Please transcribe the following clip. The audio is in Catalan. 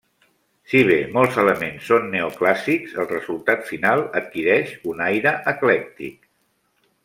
Si bé, molts elements són neoclàssics, el resultat final adquireix un aire eclèctic.